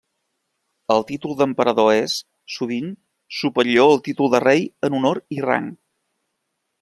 El títol d'emperador és, sovint, superior al títol de rei en honor i rang.